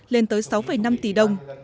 lên tới sáu năm tỷ đồng